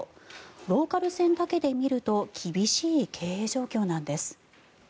ローカル線だけで見ると厳しい経営状況なんです。